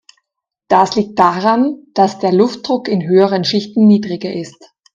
Das liegt daran, dass der Luftdruck in höheren Schichten niedriger ist.